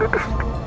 saya kasih tau orang